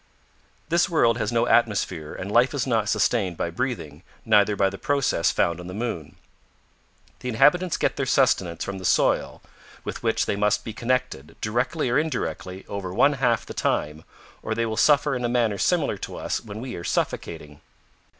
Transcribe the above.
This world has no atmosphere and life is not sustained by breathing, neither by the process found on the Moon. The inhabitants get their sustenance from the soil with which they must be connected, directly or indirectly over one half the time, or they will suffer in a manner similar to us when we are suffocating.